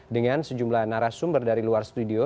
dengan sejumlah narasumber dari luar studio